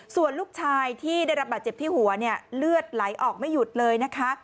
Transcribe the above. ส่วนลูกชายที่ได้รับบาดเจ็บที่หัวเนี่ยเลือดไหลออกไม่หยุดเลยนะคะ